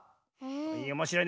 おもしろいね。